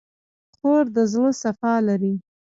خور د زړه صفا لري.